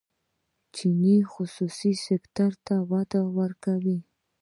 چین خصوصي سکتور ته وده ورکوي.